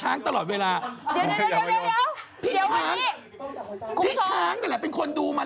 เอ้าแต่ก็ว่าเขาก็อยากแต่งอยู่ดี